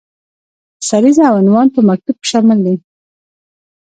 سریزه او عنوان په مکتوب کې شامل دي.